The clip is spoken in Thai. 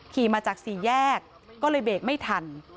ขี่มาจากสี่แยกก็เลยเบรกไม่ทัน